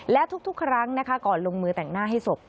และทุกครั้งนะคะก่อนลงมือแต่งหน้าให้ศพ